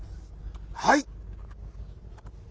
はい。